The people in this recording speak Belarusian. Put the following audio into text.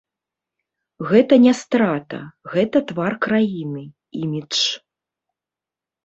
Гэта не страта, гэта твар краіны, імідж.